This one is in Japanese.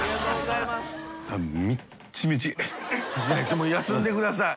もう休んでください。